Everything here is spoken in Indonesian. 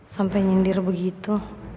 sampai nyindir begitu